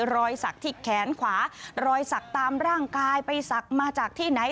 รอยสักที่แขนขวารอยสักตามร่างกายไปศักดิ์มาจากที่ไหน